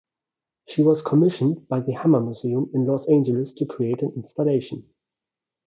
She was commissioned by the Hammer Museum in Los Angeles to create an installation.